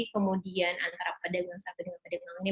kemudian antara pedagang satu dengan pedagang ini